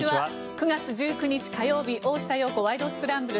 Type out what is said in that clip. ９月１９日、火曜日「大下容子ワイド！スクランブル」。